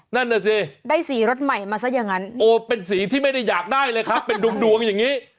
นั่นน่ะสิได้สีรถใหม่มาซะอย่างนั้นโอ้เป็นสีที่ไม่ได้อยากได้เลยครับเป็นดวงดวงอย่างนี้